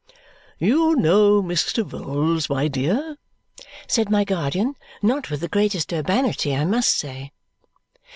"You know Mr. Vholes, my dear," said my guardian. Not with the greatest urbanity, I must say.